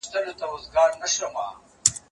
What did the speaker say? دا ليک له هغه ښه دی،